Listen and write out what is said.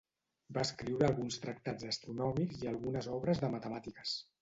Va escriure alguns tractats astronòmics i algunes obres de matemàtiques.